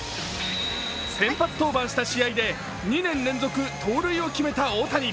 先発登板した試合で２年連続盗塁を決めた大谷。